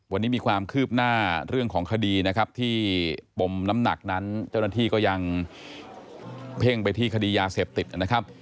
วันนี้มีความคืบหน้าเรื่องของคดีนะครับที่ปมน้ำหนักนั้นเจ้าหน้าที่ก็ยังเพ่งไปที่คดียาเสพติดนะครับ